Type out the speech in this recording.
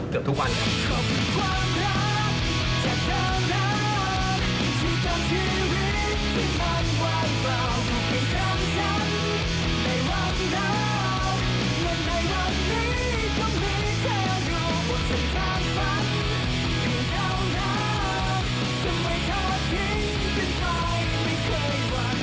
เกือบทุกวันครับ